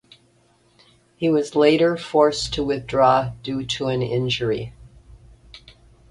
He was later forced to withdraw due to an injury.